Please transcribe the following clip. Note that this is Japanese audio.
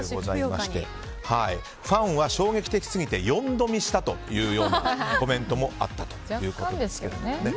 ファンは衝撃的過ぎて４度見したというようなコメントもあったということです。